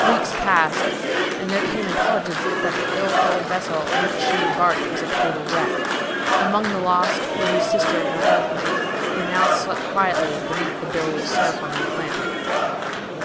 Weeks passed, and there came intelligence that the ill fated vessel in which she embarked was a total wreck. Among the lost were his sister and her husband, who now slept quietly beneath the billowy surf of the Atlantic.